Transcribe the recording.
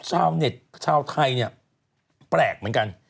ชาวเน็ตชาวไทยเนี่ยแปลกเหมือนกัน